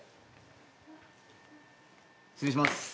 失礼します